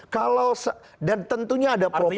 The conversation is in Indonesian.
kalau dan tentunya ada problem